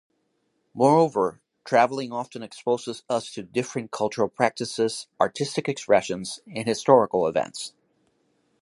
Moreover, travelling often exposes us to different cultural practices, artistic expressions, and historical events.